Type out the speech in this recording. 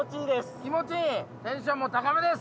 気持ちいいテンションも高めです。